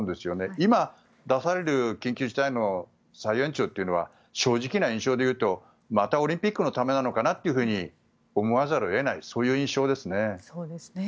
今、出される緊急事態の再延長というのは正直な印象で言うと、またオリンピックのためなのかなと思わざるを得ないそういう印象ですね。